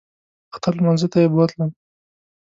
اختر لمانځه ته یې بوتلم.